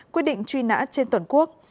quyết định truy nã trên tuần quốc